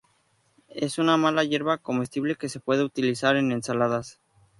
Es una mala hierba comestible que se puede utilizar en ensaladas.